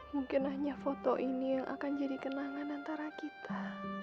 mungkin hanya foto ini yang akan jadi kenangan antara kita